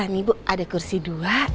ini bu ada kursi dua